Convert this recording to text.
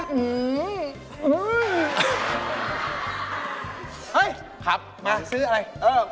เฮ่ยพัฟมาซื้ออะไร